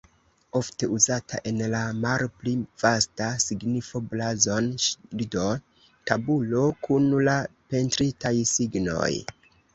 Ofte uzata en la malpli vasta signifo blazon-ŝildo, tabulo kun la pentritaj signoj.